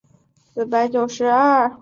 他发现了汞的氧化还原反应。